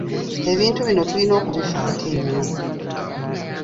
Ebintu bino tulina okubifaako ennyo.